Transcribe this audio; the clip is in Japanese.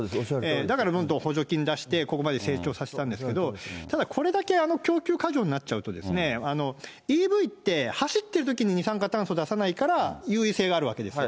だからどんどん補助金出して、ここまで成長させたんですけど、ただ、これだけ供給過剰になっちゃうとですね、ＥＶって、走ってるときに二酸化炭素出さないから優位性があるわけですよ。